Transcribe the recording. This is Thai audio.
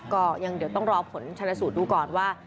ก็ยังเดี๋ยวต้องรอผลชนสูตรดูก่อนว่า